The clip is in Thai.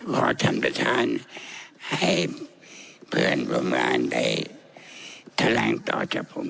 พอทำตรฐานให้เพื่อนบริหารได้แถลงต่อจากผมครับ